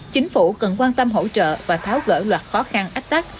chính phủ cần quan tâm hỗ trợ và tháo gỡ loạt khó khăn ách tắc